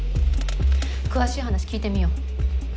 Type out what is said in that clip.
詳しい話聞いてみよう。